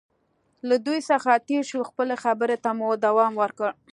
له دوی څخه تېر شو، خپلې خبرې ته مو دوام ورکړ.